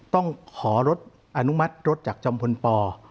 ต้องขอรถอนุมัติรถจากจอมพลป